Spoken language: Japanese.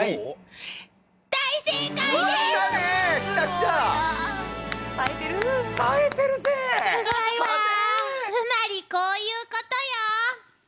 つまりこういうことよ！